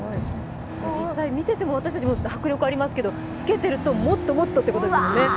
実際見てても私も迫力ありますけど着けてると、もっともっとってことですよね？